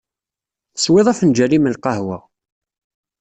Teswiḍ afenǧal-im n lqahwa.